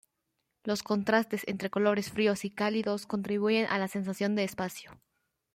Los contrastes entre colores fríos y cálidos contribuyen a la sensación de espacio.